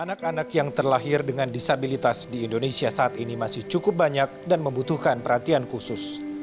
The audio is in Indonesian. anak anak yang terlahir dengan disabilitas di indonesia saat ini masih cukup banyak dan membutuhkan perhatian khusus